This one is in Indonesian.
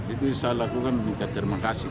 itu saya lakukan minta terima kasih